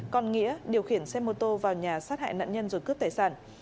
còn nghĩa điều khiển xe mô tô vào nhà sát hại nạn nhân rồi cướp tài sản